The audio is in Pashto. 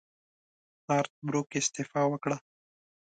نارت بروک استعفی وکړه.